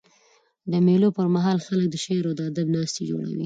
د مېلو پر مهال خلک د شعر او ادب ناستي جوړوي.